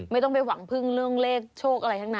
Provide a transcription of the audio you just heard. ไม่ต้องไปหวังพึ่งเรื่องเลขโชคอะไรทั้งนั้น